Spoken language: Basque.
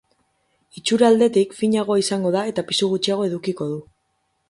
Itxura aldetik, finagoa izango da eta pisu gutxiago edukiko du.